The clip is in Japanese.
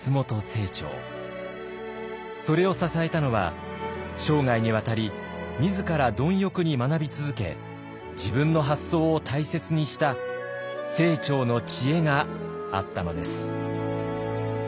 それを支えたのは生涯にわたり自ら貪欲に学び続け自分の発想を大切にした清張の知恵があったのです。